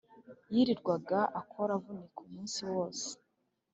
yirirwaga akora avunika umunsi wose,